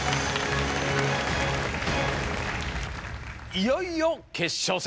いよいよ決勝戦！